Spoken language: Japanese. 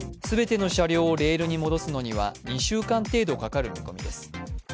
全ての車両をレールに戻すのには２週間程度かかる見込みです。